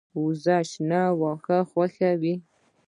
وزې شنه واښه خوښوي